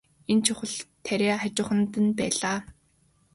Энэ чухал тариа хажууханд нь байлаа.